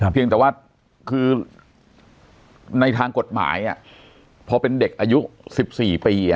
เพียงแต่ว่าคือในทางกฎหมายพอเป็นเด็กอายุ๑๔ปี